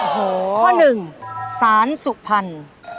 ข้อ๑สารสุขภัณฑ์